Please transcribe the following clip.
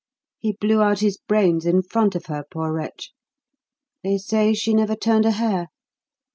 He blew out his brains in front of her, poor wretch. They say she never turned a hair.